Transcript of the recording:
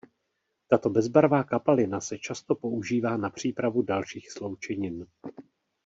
Tato bezbarvá kapalina se často používá na přípravu dalších sloučenin.